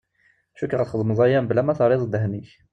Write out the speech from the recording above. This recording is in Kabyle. Cukkeɣ txedmeḍ aya mebla ma terriḍ ddehn-ik.